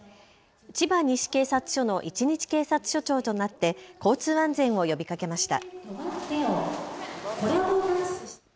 千葉西警察署の一日警察署長となって交通安全を呼びかけました。